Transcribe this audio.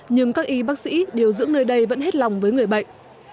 nhưng các y bác sĩ điều dưỡng nơi đây vẫn hết lòng với người bệnh